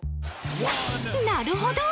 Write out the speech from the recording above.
なるほど！